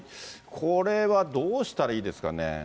これはどうしたらいいですかね？